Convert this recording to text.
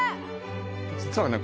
実はね